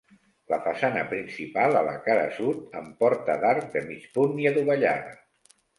La façana principal a la cara sud, amb porta d'arc de mig punt i adovellada.